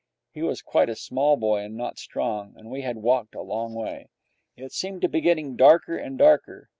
He was quite a small boy and not strong, and we had walked a long way. It seemed to be getting darker and darker.